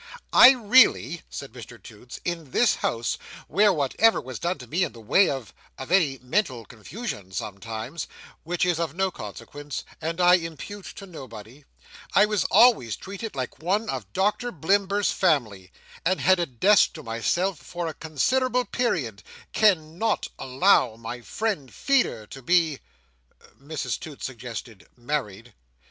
"I really," said Mr Toots, "in this house, where whatever was done to me in the way of—of any mental confusion sometimes—which is of no consequence and I impute to nobody—I was always treated like one of Doctor Blimber's family, and had a desk to myself for a considerable period—can—not—allow—my friend Feeder to be—" Mrs Toots suggested "married."